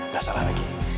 gak salah lagi